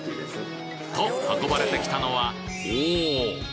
と運ばれてきたのはおぉ！